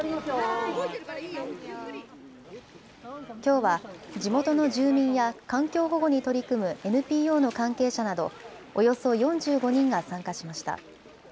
きょうは地元の住民や環境保護に取り組むＮＰＯの関係者などおよそ４５人が参加しました。